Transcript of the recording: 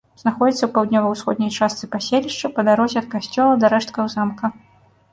Знаходзіцца ў паўднёва-ўсходняй частцы паселішча, па дарозе ад касцёла да рэшткаў замка.